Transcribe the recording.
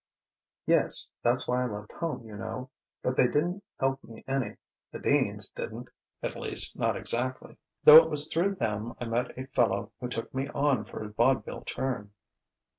"Yes; that's why I left home, you know. But they didn't help me any the Deans didn't at least, not exactly; though it was through them I met a fellow who took me on for a vaudeville turn."